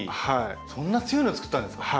そんな強いのをつくったんですか！